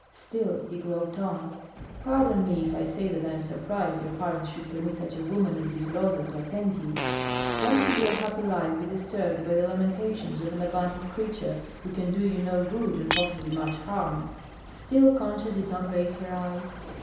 Still he groped on. "Pardon me if I say that I am surprised your parents should permit such a woman as this Rosa to attend you. Why should your happy life be disturbed by the lamentations of an abandoned creature who can do you no good, and possibly much harm?" Still Concha did not raise her eyes.